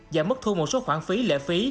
giảm mất thu một số khoản phí lễ phí